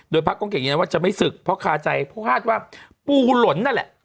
โดยพระบ้างก้องเกียจยังยั้งว่าจะไม่สึกเพราะคาใจพี่ภาษหากว่าปูหลนนั่นแหละ